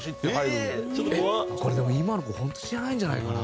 これでも今の子ホント知らないんじゃないかな？